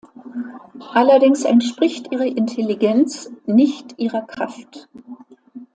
Allerdings entspricht ihre Intelligenz nicht ihrer Kraft.